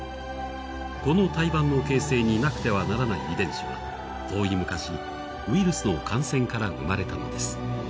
この胎盤の形成になくてはならない遺伝子は遠い昔、ウイルスの感染から生まれたのです。